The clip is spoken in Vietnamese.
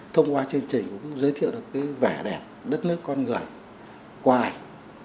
thông qua chương trình cũng giới thiệu được cái vẻ đẹp đất nước con người qua ảnh